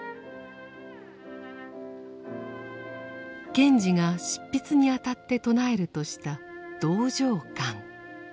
賢治が執筆にあたって唱えるとした「道場観」。